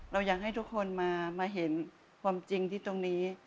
เราอยากให้ทุกคนมาเห็นความจริงที่ตรงนี้